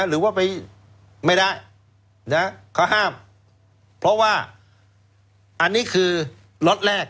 หรือว่าไปไม่ได้นะเขาห้ามเพราะว่าอันนี้คือล็อตแรก